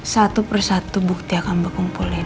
satu persatu bukti akan mbak kumpulin